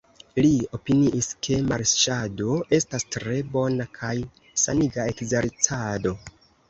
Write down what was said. Li opiniis, ke marŝado estas tre bona kaj saniga ekzercado.